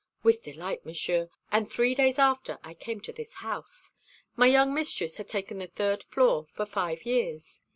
"With delight, Monsieur. And three days after, I came to this house. My young mistress had taken the third floor for five years.